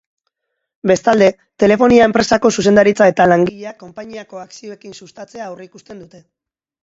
Bestalde, telefonia enpresako zuzendaritza eta langileak konpainiako akzioekin sustatzea aurreikusten dute.